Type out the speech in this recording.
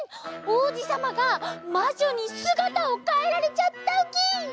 おうじさまがまじょにすがたをかえられちゃったウキ！